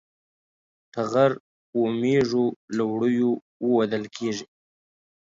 ټغر و مېږو له وړیو وُودل کېږي.